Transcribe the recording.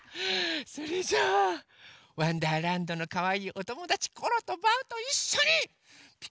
それじゃあ「わんだーらんど」のかわいいおともだちコロとバウといっしょに「ピカピカブ！」